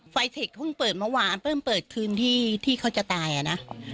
เทคเพิ่งเปิดเมื่อวานเพิ่งเปิดคืนที่เขาจะตายอ่ะนะ